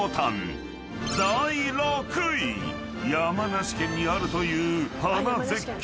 ［山梨県にあるという花絶景。